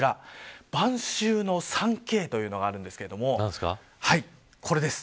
晩秋の３Ｋというのがあるんですけどこれです。